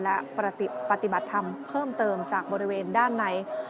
และปฏิบัติธรรมเพิ่มเติมจากบริเวณด้านใน